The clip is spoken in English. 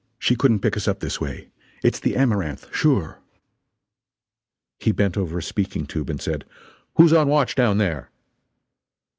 She couldn't pick us up this way. It's the Amaranth, sure!" He bent over a speaking tube and said: "Who's on watch down there?"